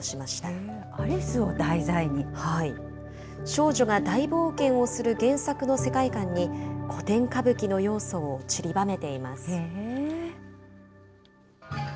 少女が大冒険をする原作の世界観に、古典歌舞伎の要素をちりばめています。